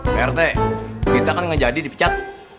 pak rete kita akan nggak jadi dipecat